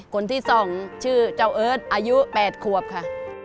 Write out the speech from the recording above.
คนที่๒ชื่อเจ้าเอิร์ทอายุ๘ขวบค่ะ